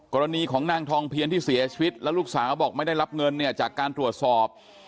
กรณีของนางทองเพียนที่เสียชีวิตแล้วลูกสาวบอกไม่ได้รับเงินเนี่ยจากการตรวจสอบ